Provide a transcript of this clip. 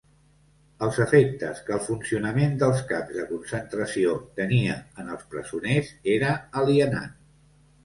Els efectes que el funcionament dels camps de concentració tenia en els presoners era alienant.